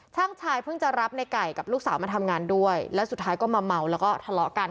ชายเพิ่งจะรับในไก่กับลูกสาวมาทำงานด้วยแล้วสุดท้ายก็มาเมาแล้วก็ทะเลาะกัน